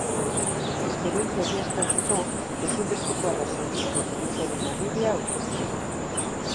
Esperientzia egiaztatzeko ezinbestekoa da zerbitzuak ematearen agiria aurkeztea.